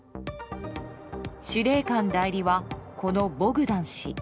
司令官代理は、このボグダン氏。